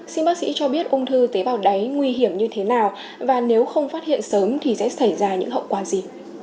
xin bác sĩ cho biết ung thư tế bào đáy nguy hiểm như thế nào và nếu không phát hiện sớm thì sẽ xảy ra những hậu quả gì